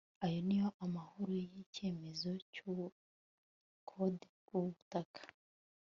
ayo ni amahoro y'icyemezo cy'ubukode bw'ubutaka